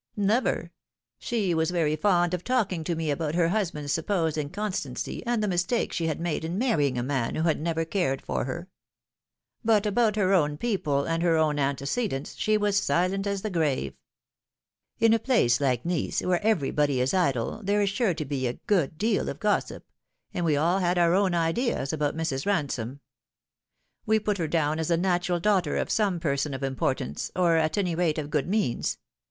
" Never. She was very fond of talking to me about her husband's supposed inconstancy and the mistake she had made in marrying a man who had never cared for her ; but about her own people and her own antecedents she was silent as the grave. In a place like Nice, where everybody is idle, there is sure to be a good deal of gossip, and we all had our own ideas about Mrs. Bansome. We put her down as the natural daughter of some person of importance, or, at any rate, of good means.